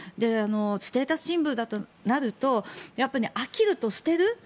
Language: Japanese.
ステータスシンボルとなると飽きると捨てる。